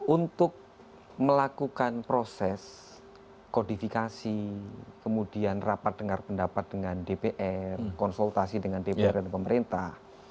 untuk melakukan proses kodifikasi kemudian rapat dengar pendapat dengan dpr konsultasi dengan dpr dan pemerintah